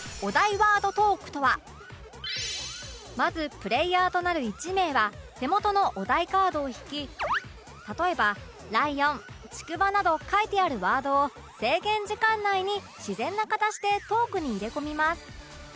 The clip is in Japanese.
まずプレイヤーとなる１名は手元のお題カードを引き例えば「ライオン」「ちくわ」など書いてあるワードを制限時間内に自然な形でトークに入れ込みます